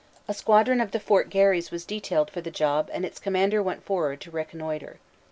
A squadron of the Fort Garry s was detailed for the job and its commander went forward to reconnoitre.